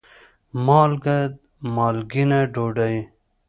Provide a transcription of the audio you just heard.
مالګه : مالګېنه ډوډۍ